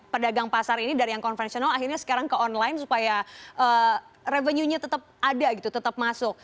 pedagang pasar ini dari yang konvensional akhirnya sekarang ke online supaya revenue nya tetap ada gitu tetap masuk